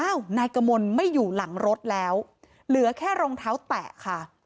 นายกมลไม่อยู่หลังรถแล้วเหลือแค่รองเท้าแตะค่ะ